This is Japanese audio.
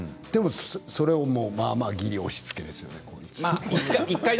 でもそれまあまあぎり押しつけですよね。